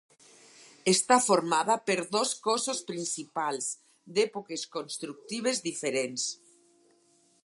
Està formada per dos cossos principals d'èpoques constructives diferents.